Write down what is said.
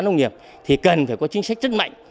nông nghiệp thì cần phải có chính sách rất mạnh